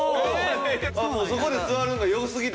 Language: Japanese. もうそこで座るのよすぎて？